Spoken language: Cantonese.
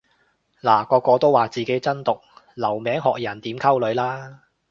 嗱個個都話自己真毒留名學人點溝女啦